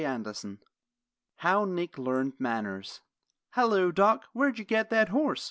Thompson_. HOW NICK LEARNED MANNERS "Hallo, Doc! Where'd you get that horse?"